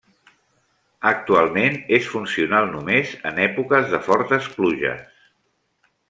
Actualment és funcional només en èpoques de fortes pluges.